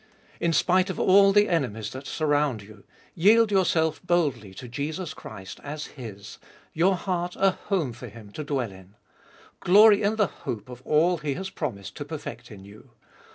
In spite of all the enemies that surround you, yield your self boldly to Jesus Christ as His — your heart a home for Him to dwell in. Glory in the hope of all that He has promised to perfect in you.